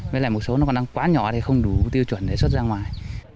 với lại một số nó còn đang quá nhỏ thì không đủ tiêu chuẩn để xuất ra ngoài